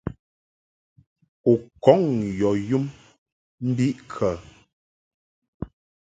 U kɔŋ yɔ yum mbiʼkə?